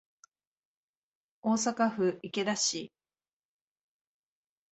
大阪府池田市